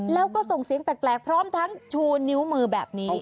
แล้วก็ส่งเสียงแปลกพร้อมทั้งชูนิ้วมือแบบนี้